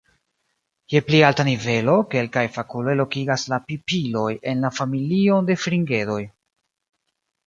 Je pli alta nivelo, kelkaj fakuloj lokigas la pipiloj en la familion de Fringedoj.